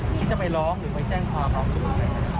คิดจะไปร้องหรือไปแจ้งความร้องทุกข์